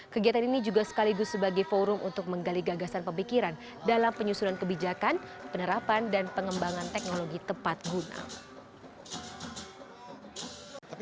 kegiatan ini juga sekaligus sebagai forum untuk menggali gagasan pemikiran dalam penyusunan kebijakan penerapan dan pengembangan teknologi tepat guna